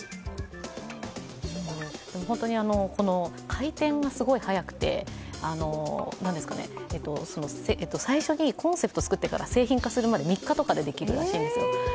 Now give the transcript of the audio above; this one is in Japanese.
回転がすごい早くて最初にコンセプトを作ってから製品化するまで３日とかでできるらしいんですよ。